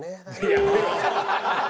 やめろ！